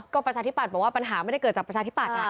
ประชาธิปัตย์บอกว่าปัญหาไม่ได้เกิดจากประชาธิปัตย์